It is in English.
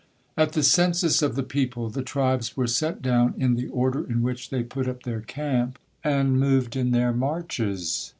At the census of the people the tribes were set down in the order in which they put up their camp and moved in their marches.